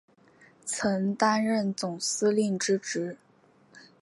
曾担任总司令之职。